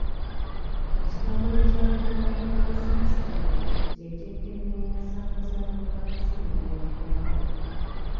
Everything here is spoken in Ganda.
Ekitongole Kya Uganda Virus Institue kye kyekenneenya sampolo z'akawuka ka ssenyiga omukambwe.